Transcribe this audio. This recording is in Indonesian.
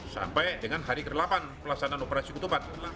sampai dengan hari ke delapan pelaksanaan operasi ketupat